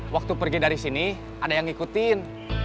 waktu pergi dari sini ada yang ngikutin